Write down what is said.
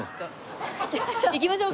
行きましょう。